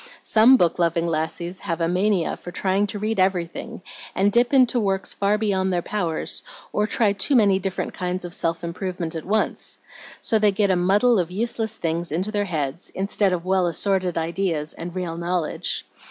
"Some book loving lassies have a mania for trying to read everything, and dip into works far beyond their powers, or try too many different kinds of self improvement at once. So they get a muddle of useless things into their heads, instead of well assorted ideas and real knowledge.